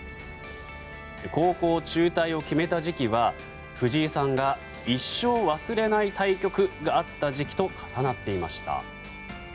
高校中退を決めた時期は藤井さんが一生忘れない対局があった時期と重なっていました。